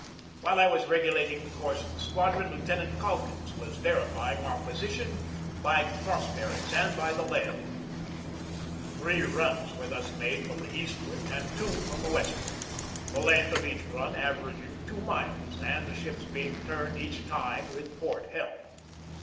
While I was regulating the course of the squadron, Lieutenant Calkins was verifying our position by crossbearings and by the lead. 216 GEORGE DEWEY Three runs were thus made from the eastward and two from the westward, the length of each run aver aging two miles and the ships being turned each time with port helm.